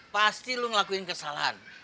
pasti lo ngelakuin kesalahan